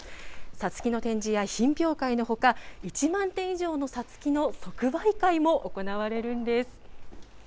さつきの展示や品評会のほか、１万点以上のさつきの即売会も行われるんです。